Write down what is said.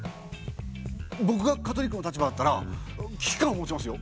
ぼくがカトリックの立場だったら危機感を持ちますよ。